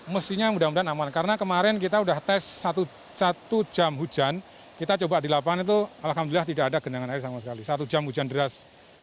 mestinya mudah mudahan aman karena kemarin kita sudah tes satu jam hujan kita coba di lapangan itu alhamdulillah tidak ada genangan air sama sekali satu jam hujan deras